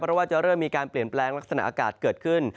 เพราะว่าจะเริ่มมีการเปลี่ยนแปลงลักษณะอากาศเกิดขึ้น